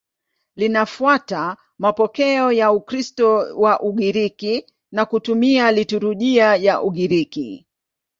Linafuata mapokeo ya Ukristo wa Ugiriki na kutumia liturujia ya Ugiriki.